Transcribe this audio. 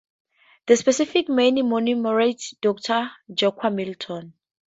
The specific mane commemorates Doctor Jacques Millot.